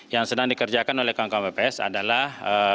yang sedang dikerjakan oleh kawan kawan pps adalah